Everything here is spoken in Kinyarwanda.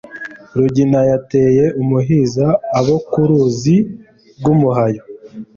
Rugina yateye umuhinza Abo ku ruzi rw’umuhayo,